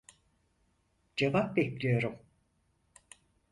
Cevap bekliyorum!